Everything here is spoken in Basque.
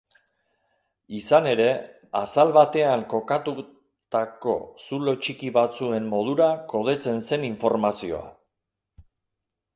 Izan ere, azal batean kokatutako zulo txiki batzuen modura kodetzen zen informazioa.